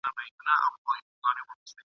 د جنګ پر ځای قلم واخلئ!